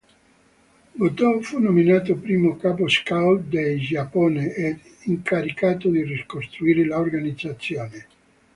Gotō fu nominato primo Capo Scout del Giappone ed incaricato di ricostruire l'organizzazione.